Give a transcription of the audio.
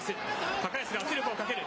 高安が圧力をかける。